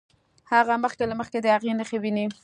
هغه مخکې له مخکې د هغې نښې ويني.